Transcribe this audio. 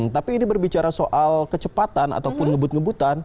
tapi ini berbicara soal kecepatan ataupun ngebut ngebutan